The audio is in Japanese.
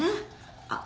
あっ。